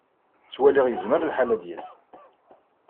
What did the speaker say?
Ttwaliɣ yezmer lḥal ad d-yas.